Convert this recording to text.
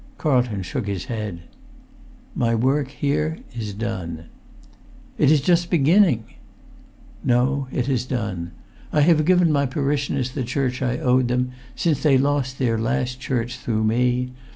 Carlton shook his head. "My work here is done." "It is just beginning!" "No, it is done. I have given my parishioners the church I owed them, since they lost their last church through me.